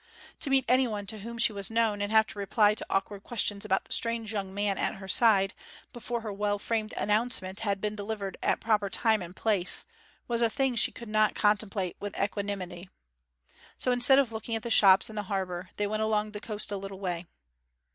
To meet anyone to whom she was known, and to have to reply to awkward questions about the strange young man at her side before her well framed announcement had been delivered at proper time and place, was a thing she could not contemplate with equanimity. So, instead of looking at the shops and harbour, they went along the coast a little way.